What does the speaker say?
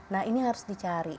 nah ini harus dicari